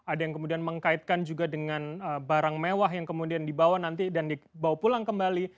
ada yang kemudian mengkaitkan juga dengan barang mewah yang kemudian dibawa nanti dan dibawa pulang kembali